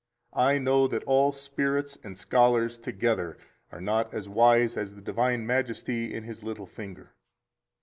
I know that all spirits and scholars together are not as wise as is the Divine Majesty in His little finger.